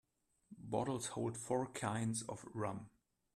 Bottles hold four kinds of rum.